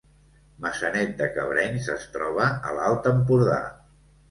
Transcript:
Maçanet de Cabrenys es troba a l’Alt Empordà